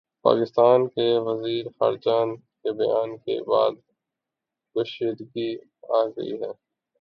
پاکستان کے وزیر خارجہ کے بیان کے بعد کشیدگی آگئی ہے